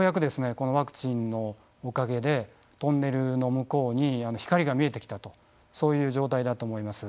このワクチンのおかげでトンネルの向こうに光が見えてきたとそういう状態だと思います。